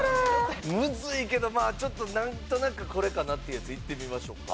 むずいけどまあちょっとなんとなくこれかなっていうやついってみましょうかね。